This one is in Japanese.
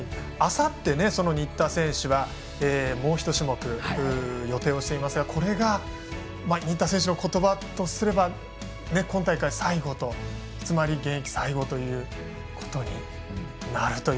あさって、新田選手はもう１種目、予定をしていますがこれが新田選手のことばとすれば今大会最後と。つまり現役最後ということになる。